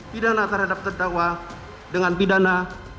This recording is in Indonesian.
pidana terhadap terdakwa dengan pidana